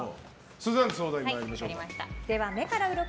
スザンヌ相談員、参りましょう。